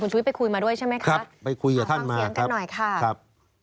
ชุวิตไปคุยมาด้วยใช่ไหมคะไปคุยกับท่านฟังเสียงกันหน่อยค่ะครับ